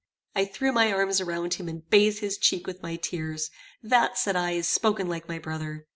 I threw my arms around him, and bathed his cheek with my tears. "That," said I, "is spoken like my brother.